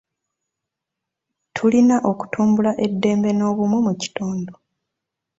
Tulina okutumbula eddembe n'obumu mu kitundu.